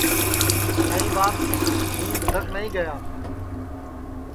نائی ٻاپ ہوں اُس دھک نائی گئیا